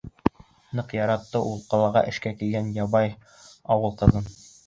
Ныҡ яратты ул ҡалаға эшкә килгән ябай ауыл ҡыҙын.